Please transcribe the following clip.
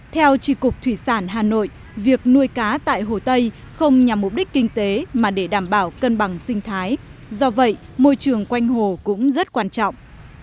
theo trị cục thủy sản hà nội việc nuôi cá tại hồ tây không nhằm mục đích kinh tế mà để đảm bảo cân bằng sinh thái do vậy môi trường quanh hồ cũng rất quan trọng